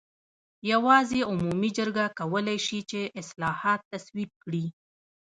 یوازې عمومي جرګه کولای شي چې اصلاحات تصویب کړي.